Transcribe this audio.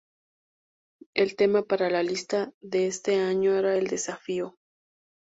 El tema para la lista de este año era el desafío.